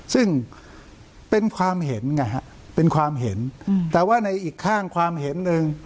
ซึ่งเป็นความเห็นแต่ว่าในอีกข้างความเห็นหนึ่ง